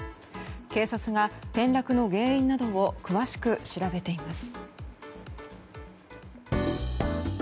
警察が転落の原因などを詳しく調べています。